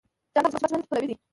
جانداد د مثبت ژوند پلوی دی.